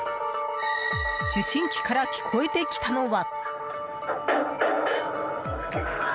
受信機から聞こえてきたのは。